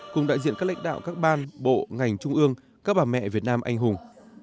cùng đại diện các lãnh đạo các ban bộ ngành trung ương các bà mẹ việt nam anh hùng